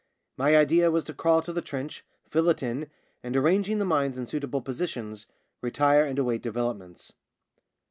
My idea was to crawl to the trench, fill it in, and, arranging the mines in suitable positions, retire and await developments.